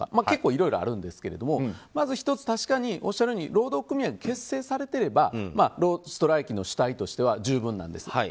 結構いろいろあるんですけどまず１つ、確かにおっしゃるように労働組合結成されてればストライキの主体としては十分なんです。